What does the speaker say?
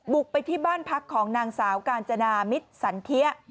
ไปที่บ้านพักของนางสาวกาญจนามิตรสันเทีย